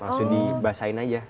langsung dibasahin aja